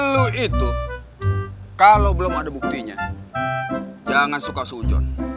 lu itu kalau belum ada buktinya jangan suka sujon